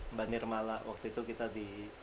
mbak nirmala waktu itu kita di